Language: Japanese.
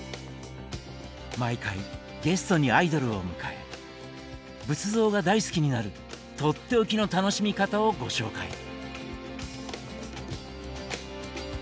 毎回ゲストにアイドルを迎え仏像が大好きになるとっておきの楽しみ方をご紹介。